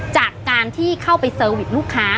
จากการที่เข้าไปเซอร์วิสลูกค้า